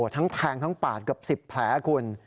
ทั้งแทงทั้งปาดเกือบ๑๐แผลคุณ